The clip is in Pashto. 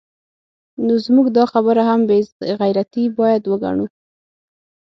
نو زموږ دا خبره هم بې غیرتي باید وګڼو